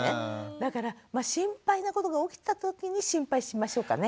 だから心配なことが起きた時に心配しましょうかね。